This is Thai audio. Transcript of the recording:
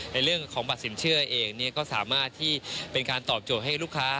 ในเรื่องของบัตรสินเชื่อเองก็สามารถที่เป็นการตอบโจทย์ให้ลูกค้า